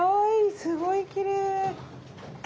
すごいきれい。